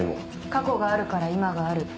過去があるから今がある。